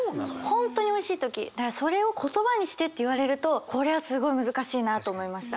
本当においしい時それを言葉にしてって言われるとこれはすごい難しいなと思いました。